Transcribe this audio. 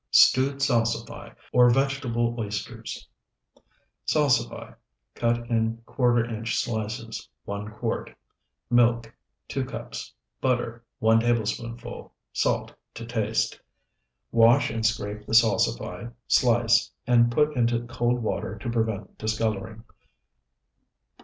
STEWED SALSIFY OR VEGETABLE OYSTERS Salsify, cut in ¼ inch slices, 1 quart. Milk, 2 cups. Butter, 1 tablespoonful. Salt to taste. Wash and scrape the salsify, slice, and put into cold water to prevent discoloring.